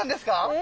え？